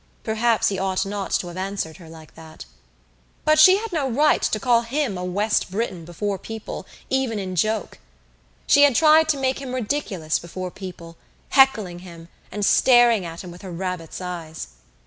Perhaps he ought not to have answered her like that. But she had no right to call him a West Briton before people, even in joke. She had tried to make him ridiculous before people, heckling him and staring at him with her rabbit's eyes.